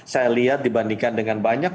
saya lihat dibandingkan dengan banyak